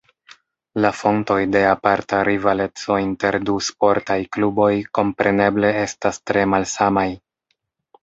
La fontoj de aparta rivaleco inter du sportaj kluboj kompreneble estas tre malsamaj.